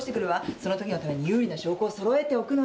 そのときのために有利な証拠をそろえておくのよ。